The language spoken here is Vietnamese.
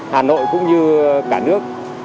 hà nội cũng như cả nước